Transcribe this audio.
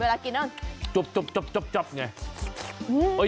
เวลากินน่ะจุ๊บเนี่ย